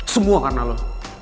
semua karena lo